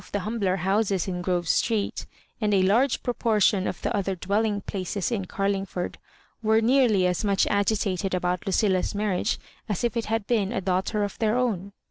181 the humbler houses in Grove Street, and a large proportion of the other dwelling places in Car lin^ord, were nearly as much agitated about Lucilla^s marriage as if it had been a daughter of their own.